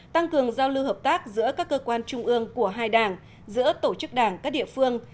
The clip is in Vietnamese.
tăng cường giao lưu hợp tác giữa các cơ quan trung ương của hai đảng giữa tổ chức đảng các địa phương